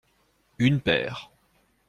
Une paire.